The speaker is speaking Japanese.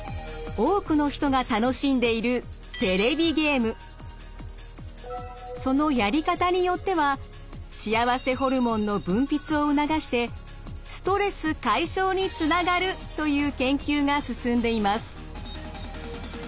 多くの人が楽しんでいるそのやり方によっては幸せホルモンの分泌を促してストレス解消につながるという研究が進んでいます。